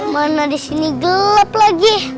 mana di sini gelap lagi